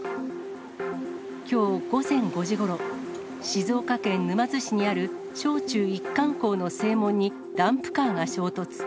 きょう午前５時ごろ、静岡県沼津市にある小中一貫校の正門に、ダンプカーが衝突。